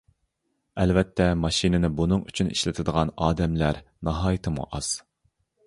ئەلۋەتتە ماشىنىنى بۇنىڭ ئۈچۈن ئىشلىتىدىغان ئادەملەر ناھايىتىمۇ ئاز.